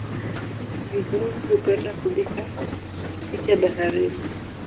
Vadhungu hupenda kubika picha baharini